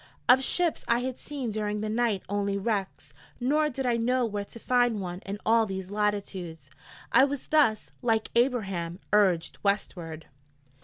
Of ships I had seen during the night only wrecks, nor did I know where to find one in all these latitudes. I was thus, like her 'Ablaham,' urged Westward.